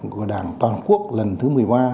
của đảng toàn quốc lần thứ một mươi ba